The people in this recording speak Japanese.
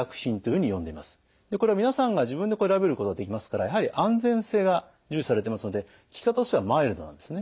これは皆さんが自分で選べることができますからやはり安全性が重視されてますので効き方としてはマイルドなんですね。